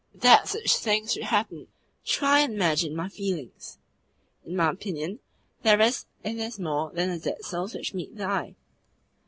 That such things should happen! TRY and imagine my feelings!" "In my opinion, there is in this more than the dead souls which meet the eye."